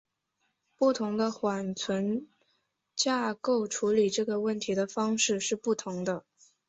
不同的缓存架构处理这个问题的方式是不同的。